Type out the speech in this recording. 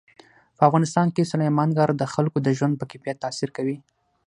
په افغانستان کې سلیمان غر د خلکو د ژوند په کیفیت تاثیر کوي.